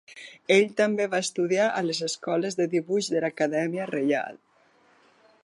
Ell també va estudiar a les escoles de dibuix de l'Acadèmia Reial.